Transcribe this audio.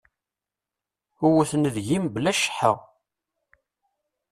Wwten deg-i mebla cceḥḥa.